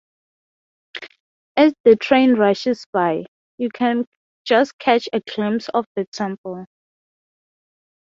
As the train rushes by, you can just catch a glimpse of the temple.